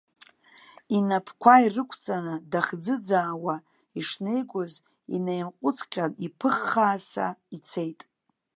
Инапқәа ирықәҵаны дахӡыӡаауа ишнеигоз, инаимҟәыҵҟьан, иԥыххааса ицеит.